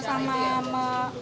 kita sama sama mengibaratkan